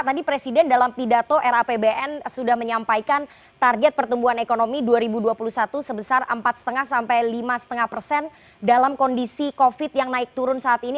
tadi presiden dalam pidato rapbn sudah menyampaikan target pertumbuhan ekonomi dua ribu dua puluh satu sebesar empat lima sampai lima lima persen dalam kondisi covid yang naik turun saat ini